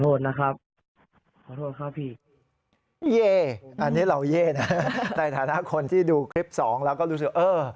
ขอโทษนะครับขอโทษครับพี่เย่อันนี้เราเย่นะในฐานะคนที่ดูคลิปสองแล้วก็รู้สึกเออ